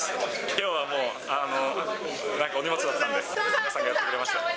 きょうはもう、なんかお荷物だったんで、皆さんがやってくれました。